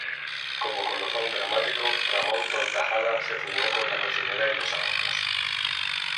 Como colofón dramático, Ramón Tortajada se fugó con la cocinera y los ahorros.